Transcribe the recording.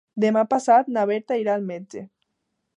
Demà passat na Berta irà al metge.